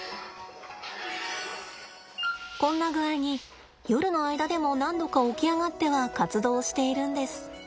こんな具合に夜の間でも何度か起き上がっては活動しているんです。